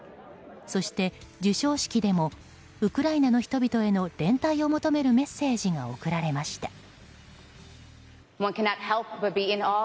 そして、授賞式でもウクライナの人々への連帯を求めるメッセージが送られました。